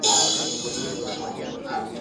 زما له لوري یې خبر کړی محتسب او ملاجان !.